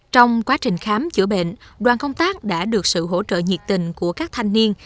trong quá trình khám chữa bệnh đoàn công tác đã được sự hỗ trợ nhiệt tình của các thanh niên